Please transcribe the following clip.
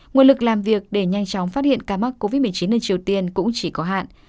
nguồn lực làm việc để nhanh chóng phát hiện ca mắc covid một mươi chín ở triều tiên cũng chỉ có hạn